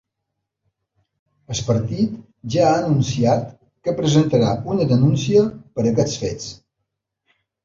El partit ja ha anunciat que presentarà una denúncia per aquests fets.